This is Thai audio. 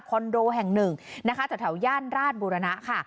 โดแห่งหนึ่งนะคะแถวย่านราชบุรณะค่ะ